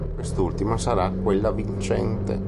Quest'ultima sarà quella vincente.